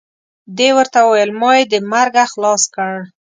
دې ورته وویل ما یې د مرګه خلاص کړ.